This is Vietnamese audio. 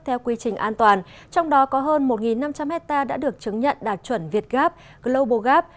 theo quy trình an toàn trong đó có hơn một năm trăm linh hectare đã được chứng nhận đạt chuẩn việt gap global gap